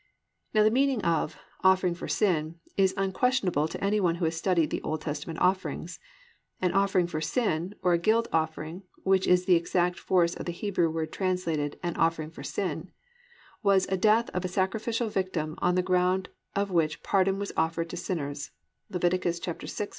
"+ Now the meaning of "offering for sin" is unquestionable to any one who has studied the Old Testament offerings. An "offering for sin" or a "guilt offering," which is the exact force of the Hebrew word translated "an offering for sin," was a death of a sacrificial victim on the ground of which pardon was offered to sinners (Lev.